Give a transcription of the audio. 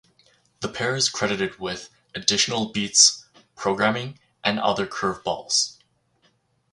The pair is credited with "additional beats, programming and other curve balls".